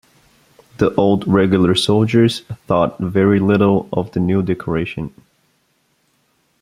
The old regular soldiers thought very little of the new decoration.